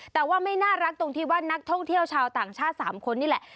แต่ว่าไม่น่ารักตรงที่ว่านักท่องเที่ยวชาวต่างชาติ๓คนนี่แหละ